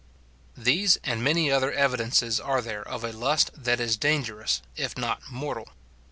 These and many other evidences are there of a lust that is dangerous, if not mortal.